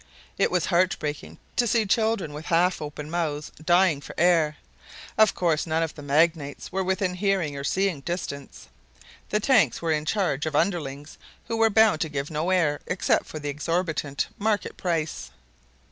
It was heart breaking to see children with half opened mouths dying for air. Of course none of the magnates were within hearing or seeing distance. The tanks were in charge of underlings who were bound to give no air except for the exorbitant market price.